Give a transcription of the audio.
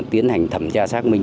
tiến hành thẩm tra xác minh